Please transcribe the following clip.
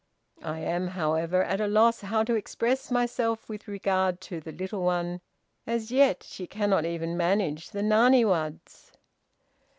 I am, however, at a loss how to express myself with regard to the little one, as yet she cannot even manage the naniwadz."